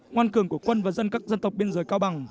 ngoan cường của quân và dân các dân tộc biên giới cao bằng